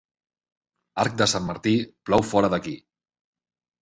Arc de Sant Martí, plou fora d'aquí.